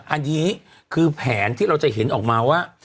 อันนี้คือแผนที่เราจะเห็นออกมาว่า